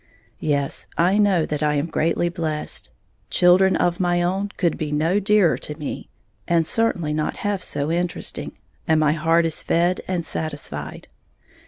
Yes, I know that I am greatly blessed. Children of my own could be no dearer to me, and certainly not half so interesting; and my heart is fed and satisfied.